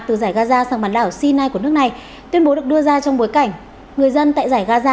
từ giải gaza sang bản đảo sinai của nước này tuyên bố được đưa ra trong bối cảnh người dân tại giải gaza